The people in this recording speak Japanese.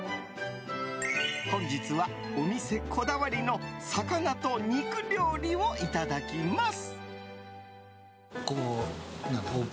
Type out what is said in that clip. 本日は、お店こだわりの魚と肉料理をいただきます。